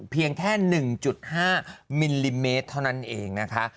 เพียงแค่๑๕มิลลิเมตรเท่านั้นเองนะคะ